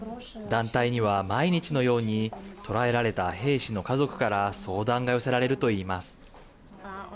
団体には、毎日のように捕らえられた兵士の家族から相談が寄せられるといいます。